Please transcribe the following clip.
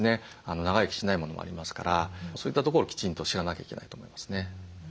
長生きしないものもありますからそういったところをきちんと知らなきゃいけないと思いますね。